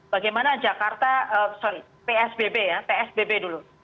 bagaimana jakarta son psbb ya psbb dulu